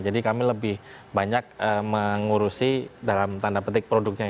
jadi kami lebih banyak mengurusi dalam tanda petik produknya